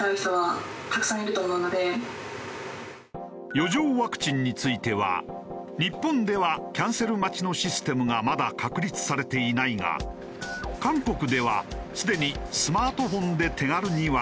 余剰ワクチンについては日本ではキャンセル待ちのシステムがまだ確立されていないが韓国ではすでにスマートフォンで手軽にわかるのだ。